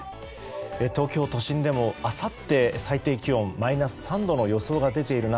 東京都心でもあさって最低気温マイナス３度の予想が出ている中